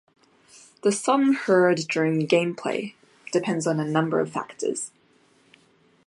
The song heard during gameplay depends on a number of factors.